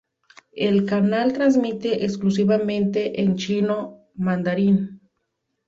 El canal transmite exclusivamente en chino mandarín.